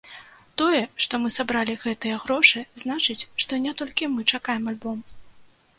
Тое, што мы сабралі гэтыя грошы значыць, што не толькі мы чакаем альбом.